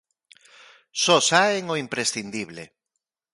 Só saen o imprescindible.